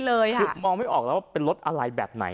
คือมองไม่ออกแล้วว่าเป็นรถอะไรแบบไหน